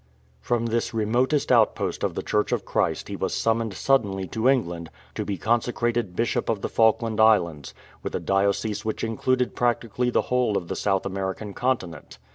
"" From this remotest outpost of the Church of Christ he was summoned suddenly to England to be consecrated Bishop of the Falkland Islands, with a diocese which included practically the whole of the South American continent.